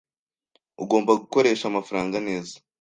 Ugomba gukoresha amafaranga neza.